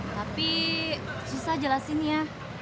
tapi susah jelasinnya